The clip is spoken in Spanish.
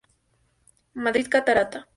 Madrid: Catarata.